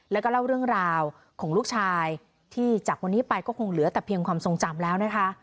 แล้วก็เล่าเรื่องราวของลูกชายที่จากวันนี้ไปก็คงเหลือแต่เพียงความทรงจำแล้วนะคะ